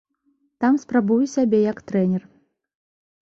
Там спрабую сябе як трэнер.